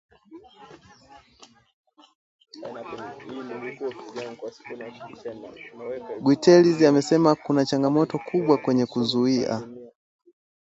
Guterres amesema kuna changamoto kubwa kwenye kuzuia